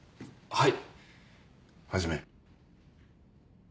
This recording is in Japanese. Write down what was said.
はい。